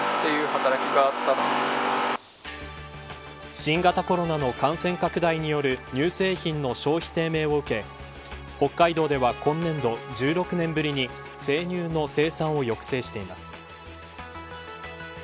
新型コロナの感染拡大による乳製品の消費低迷を受け北海道では今年度１６年ぶりに生乳の生産を抑制しています。